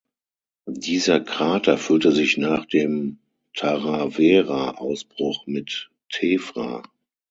Dieser Krater füllte sich nach dem Tarawera-Ausbruch mit Tephra.